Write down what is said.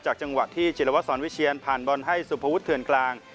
จังหวะที่จิลวัสสอนวิเชียนผ่านบอลให้สุภวุฒเถื่อนกลาง